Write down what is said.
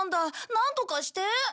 なんとかして！